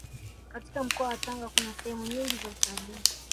katika mkoa wa Tanga kuna sehemu nyingi za utalii